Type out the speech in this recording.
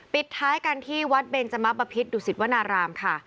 ปิดท้ายกันที่วัดเบนจมะบพิษดุสิตวนารามค่ะ